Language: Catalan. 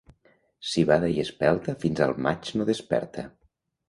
Civada i espelta fins al maig no desperta.